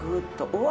うわ！